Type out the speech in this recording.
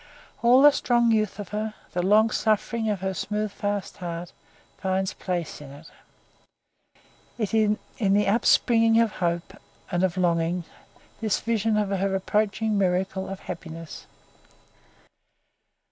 All the strong youth of her, the long suffering of her sooth fast heart find place in it; in the upspringing of hope and of longing, this vision of her approaching miracle of happiness.